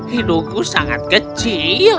hidungku sangat kecil